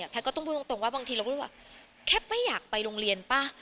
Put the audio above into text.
ก็ต้องพูดตรงว่าบางทีเราก็รู้สึกว่าแค่ไม่อยากไปโรงเรียนป่ะ